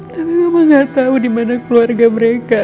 tapi mama gak tahu di mana keluarga mereka